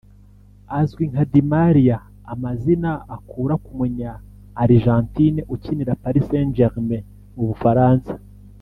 Azwi nka Di Maria amazina akura ku munya-Argentine ukinira Paris Saint Germain mu Bufaransa